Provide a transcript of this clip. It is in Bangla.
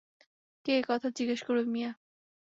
কে একথা জিজ্ঞেস করবে, মিয়া?